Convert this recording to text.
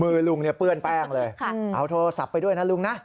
ลุงเนี่ยเปื้อนแป้งเลยเอาโทรศัพท์ไปด้วยนะลุงนะ